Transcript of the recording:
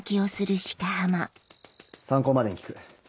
参考までに聞く。